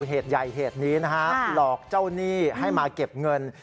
เหตุใหญ่เหตุนี้นะฮะหลอกเจ้าหนี้ให้มาเก็บเงิน